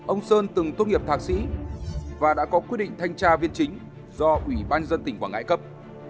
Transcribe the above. ông sơn từng tốt nghiệp thạc sĩ và đã có quyết định thanh tra viên chính do ủy ban dân tỉnh quảng ngãi cấp